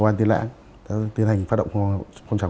an tiên lãng tiến hành phát động công trạng